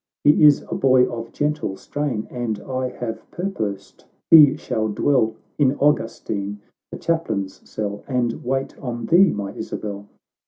— He is a boy of gentle strain, And I have purposed he shall dwell I n Augustiu the chaplain's cell, And wait on thee, my Isabel.